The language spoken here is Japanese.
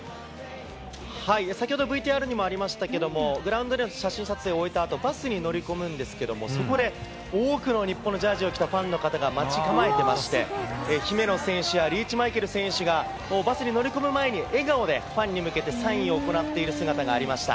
先ほど、ＶＴＲにもありましたけども、グラウンドでは、写真撮影を終えたあと、バスに乗り込むんですけれども、そこで多くの日本のジャージを着たファンの方が待ち構えてまして、姫野選手やリーチマイケル選手が、バスに乗り込む前に、笑顔でファンに向けてサインを行っている姿がありました。